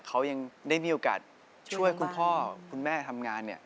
เขายังได้มีโอกาสช่วยคุณพ่อคุณแม่ทำงานเนี่ย